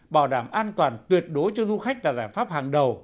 bảo đảm an toàn tuyệt đối cho du khách là giải pháp hàng đầu